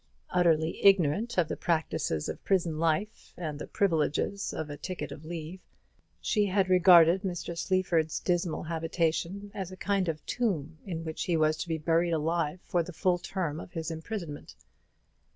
Utterly ignorant of the practices of prison life, and the privileges of a ticket of leave, she had regarded Mr. Sleaford's dismal habitation as a kind of tomb in which he was to be buried alive for the full term of his imprisonment.